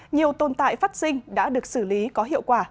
nhiều tồn tại phát sinh đã được xử lý có hiệu quả